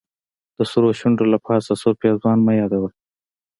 د سرو شونډو له پاسه سور پېزوان مه يادوه